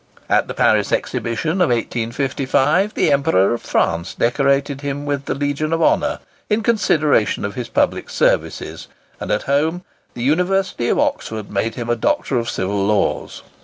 At the Paris Exhibition of 1855 the Emperor of France decorated him with the Legion of Honour in consideration of his public services; and at home the University of Oxford made him a Doctor of Civil Laws.